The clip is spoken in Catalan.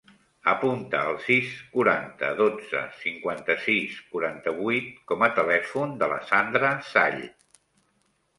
Apunta el sis, quaranta, dotze, cinquanta-sis, quaranta-vuit com a telèfon de la Sandra Sall.